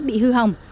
bị hư hỏng